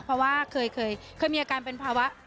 เพราะว่าเคยมีอาการเป็นภาวะ